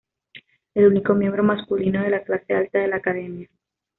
El único miembro masculino de la clase alta de la academia.